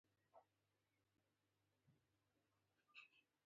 • سپوږمۍ د شپې سفر کوي.